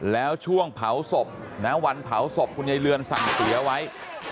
แล้วช่วงเผาศพนะวันเผาศพคุณยายเรือนสั่งเสียไว้